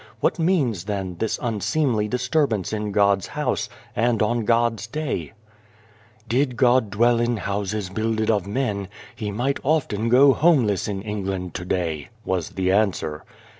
What means, then, this un seemly disturbance in God's house and on God's day ?"" Did God dwell in houses builded of men, He might often go homeless in England to day," was the answer.